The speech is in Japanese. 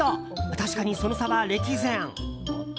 確かに、その差は歴然。